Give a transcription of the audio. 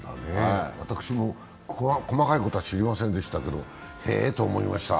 私も細かいことは知りませんでしたけどへえって思いました。